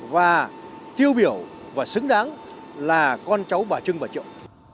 và tiêu biểu và xứng đáng là con cháu bà trưng bà triệu